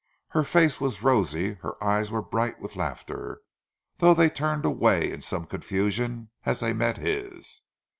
Her face was rosy, her eyes were bright with laughter, though they turned away in some confusion as they met his.